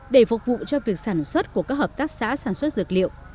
để phục vụ cho việc sản xuất của các hợp tác xã sản xuất dược liệu